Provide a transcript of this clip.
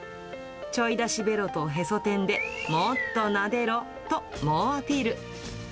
ちょいだしベロとへそ天で、もっとなでろと猛アピール。